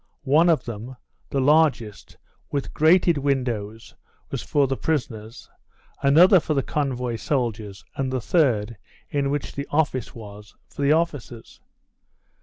One of them, the largest, with grated windows, was for the prisoners, another for the convoy soldiers, and the third, in which the office was, for the officers.